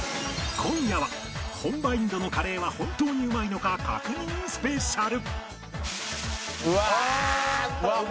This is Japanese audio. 今夜は本場インドのカレーは本当にうまいのか確認スペシャル